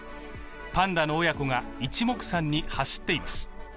パンダの親子が、いちもくさんに走っています。